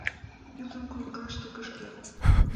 Киндым коҥгашке кышкем.